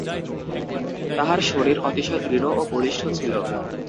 তাহার শরীর অতিশয় দৃঢ় ও বলিষ্ঠ ছিল।